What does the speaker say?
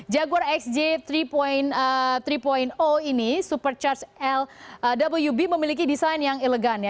jaguar xj tiga ini super charge lwb memiliki desain yang elegan ya